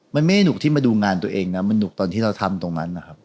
มันไม่ได้หนุกที่มาดูงานตัวเองนะมันหนุกตอนที่เราทำตรงนั้นนะครับ